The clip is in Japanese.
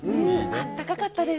あったかかったです。